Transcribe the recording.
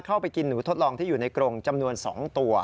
เข้าไปกินหนูทดลองที่อยู่ในกรงจำนวน๒ตัว